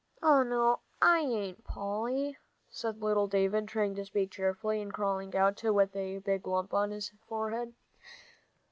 "Oh, no, I ain't, Polly," said little David, trying to speak cheerfully, and crawling out with a big lump on his forehead.